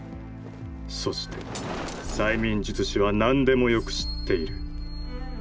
そして催眠術師は何でもよく知っている。